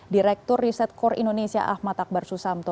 direktur risetkor indonesia ahmad akbar susanto